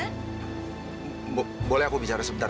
kamu cuma mau punya nasional